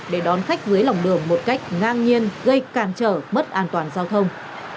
để đón khách dưới lòng đường một cách ngang nhiên gây càn trở mất an toàn giao thông